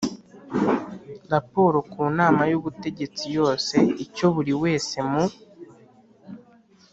raporo ku nama y ubutegetsi yose icyo buri wese mu